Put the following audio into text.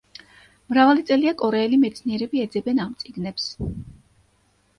მრავალი წელია კორეელი მეცნიერები ეძებენ ამ წიგნებს.